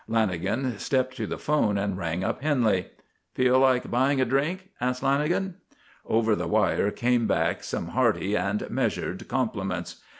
Lanagan stepped to the 'phone and rang up Henley. "Feel like buying a drink?" asked Lanagan. Over the wire came back some hearty and measured compliments.